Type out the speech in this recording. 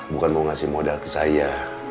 bukan mau ngasih modal ke saya